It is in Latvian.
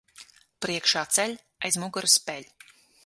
Priekšā ceļ, aiz muguras peļ.